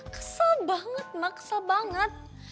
kesel banget ma kesel banget